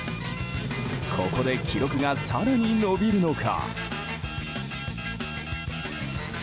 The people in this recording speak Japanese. ここで記録が更に伸びるのか。